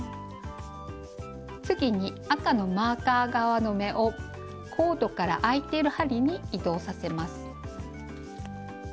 次に赤のマーカー側の目をコードからあいてる針に移動させます。